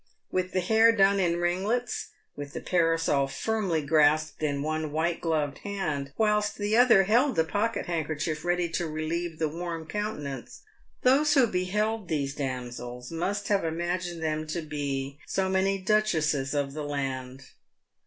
With the hair done in ringlets — with the parasol firmly grasped in one white gloved hand, whilst the other held the pocket handker chief ready to relieve the warm countenance — those who beheld these damsels must have imagined them to be so many duchesses of the land.